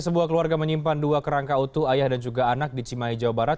sebuah keluarga menyimpan dua kerangka utuh ayah dan juga anak di cimahi jawa barat